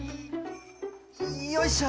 よいしょ！